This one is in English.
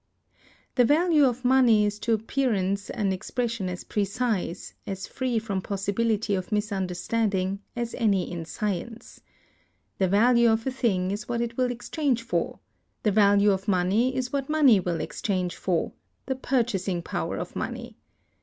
The Value of Money is to appearance an expression as precise, as free from possibility of misunderstanding, as any in science. The value of a thing is what it will exchange for; the value of money is what money will exchange for, the purchasing power of money.